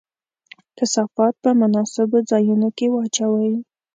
کثافات په مناسبو ځایونو کې واچوئ.